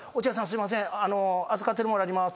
すいません預かってる物あります」